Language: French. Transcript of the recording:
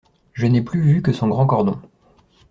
Je n'ai plus vu que son grand cordon.